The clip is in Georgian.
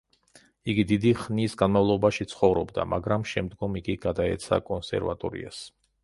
იგი დიდი ხნის განმავლობაში ცხოვრობდა, მაგრამ შემდგომ იგი გადაეცა კონსერვატორიას.